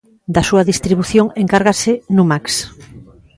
Da súa distribución encárgase Numax.